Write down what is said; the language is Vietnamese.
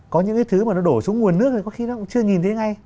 có những cái thứ mà nó đổ xuống nguồn nước thì có khi nó cũng chưa nhìn thấy ngay